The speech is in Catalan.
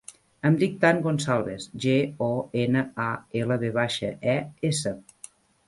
Em dic Dan Gonçalves: ge, o, ena, a, ela, ve baixa, e, essa.